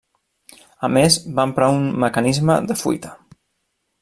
A més, va emprar un mecanisme de fuita.